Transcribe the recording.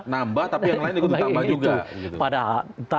nambah tapi yang lain juga ditambah juga